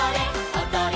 おどれ！